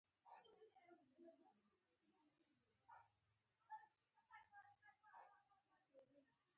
يا کول نۀ غواړي